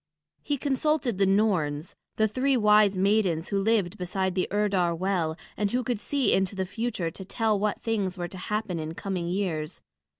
He consulted the Norns, the three wise maidens who lived beside the Urdar well, and who could see into the future to tell what things were to happen in coming years.